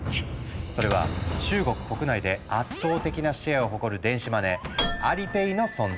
それは中国国内で圧倒的なシェアを誇る電子マネー「Ａｌｉｐａｙ」の存在。